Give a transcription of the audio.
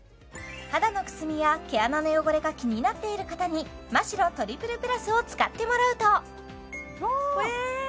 肌のくすみや毛穴の汚れが気になっている方にマ・シロトリプルプラスを使ってもらうとわ！